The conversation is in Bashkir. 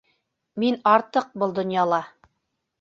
Мин артыҡ был донъяла.